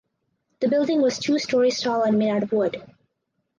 The building was two stories tall and made out of wood.